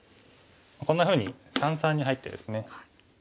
こんなふうに三々に入ってですね。